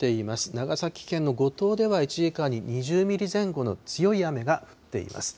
長崎県の五島では１時間に２０ミリ前後の強い雨が降っています。